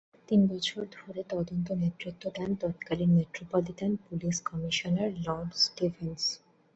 তিন বছর ধরে তদন্তে নেতৃত্ব দেন তত্কালীন metropolitan police commissioner Lord Stephen's.